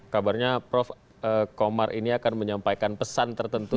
kabarnya prof komar ini akan menyampaikan pesan tertentu